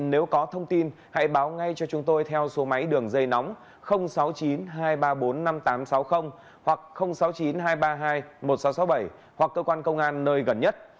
nếu có thông tin hãy báo ngay cho chúng tôi theo số máy đường dây nóng sáu mươi chín hai trăm ba mươi bốn năm nghìn tám trăm sáu mươi hoặc sáu mươi chín hai trăm ba mươi hai một nghìn sáu trăm sáu mươi bảy hoặc cơ quan công an nơi gần nhất